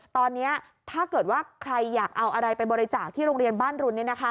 ตอนนี้ถ้าเกิดว่าใครอยากเอาอะไรไปบริจาคที่โรงเรียนบ้านรุน